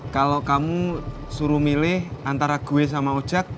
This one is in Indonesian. kalau kamu suruh milih antara gue sama ojek